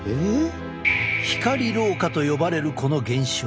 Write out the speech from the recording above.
光老化と呼ばれるこの現象。